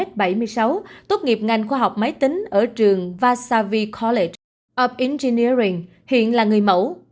cô hai mươi sáu tuốt nghiệp ngành khoa học máy tính ở trường vasavi college of engineering hiện là người mẫu